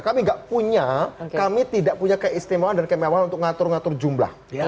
kami tidak punya kami tidak punya keistimewaan dan kemewahan untuk ngatur ngatur jumlah